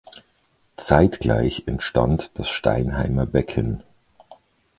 Zeitgleich entstand das Steinheimer Becken.